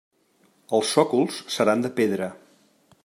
Els sòcols seran de pedra.